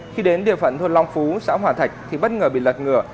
khi đến địa phận thuân long phú xã hòa thạch thì bất ngờ bị lật ngựa